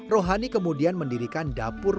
rohani kemudian mendirikan dapur